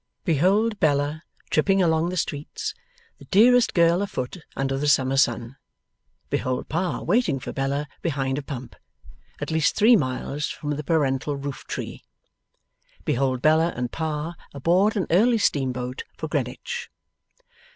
Behold Bella tripping along the streets, the dearest girl afoot under the summer sun! Behold Pa waiting for Bella behind a pump, at least three miles from the parental roof tree. Behold Bella and Pa aboard an early steamboat for Greenwich.